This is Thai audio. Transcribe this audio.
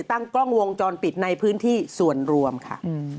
ตั้งกล้องวงจรปิดในพื้นที่ส่วนรวมค่ะ